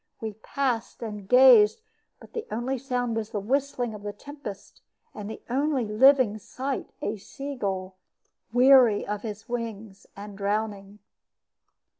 We passed and gazed; but the only sound was the whistling of the tempest, and the only living sight a sea gull, weary of his wings, and drowning.